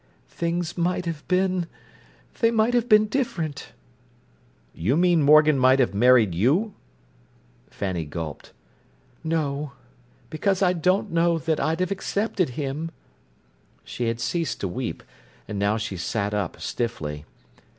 "Things might have been—they might have been different." "You mean Morgan might have married you?" Fanny gulped. "No. Because I don't know that I'd have accepted him." She had ceased to weep, and now she sat up stiffly.